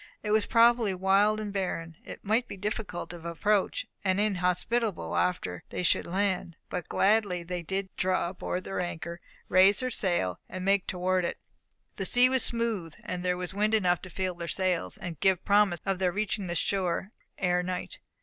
It was probably wild and barren. It might be difficult of approach, and inhospitable after they should land. But gladly did they draw aboard their anchor, raise their sail, and make toward it. The sea was smooth, but there was wind enough to fill their sails, and give promise of their reaching the shore ere night.